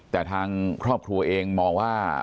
แต่ทางครอบครัวเองมองว่า